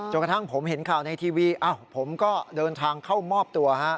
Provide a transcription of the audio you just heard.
กระทั่งผมเห็นข่าวในทีวีผมก็เดินทางเข้ามอบตัวฮะ